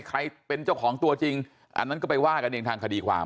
ใครเป็นเจ้าของตัวจริงอันนั้นก็ไปว่ากันเองทางคดีความ